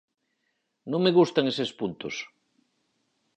Non me gustan eses puntos.